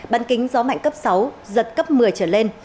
bán kính gió mạnh cấp sáu giật cấp một mươi trở lên